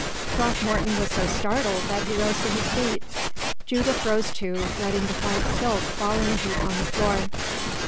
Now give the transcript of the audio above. Throckmorton was so startled that he rose to his feet. Judith rose, too, letting the white silk fall in a heap on the floor.